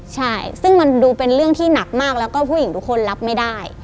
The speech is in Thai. ใช่ซึ่งมันดูเป็นเรื่องที่หนักมากแล้วก็ผู้หญิงทุกคนรับไม่ได้